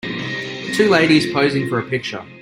two ladies posing for a picture